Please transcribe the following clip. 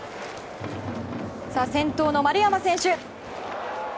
先頭の丸山選手。